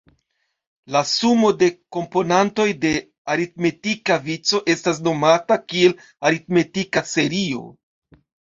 La sumo de komponantoj de aritmetika vico estas nomata kiel aritmetika serio.